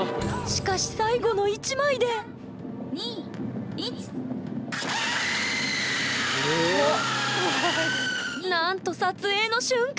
しかし最後の１枚でなんと撮影の瞬間！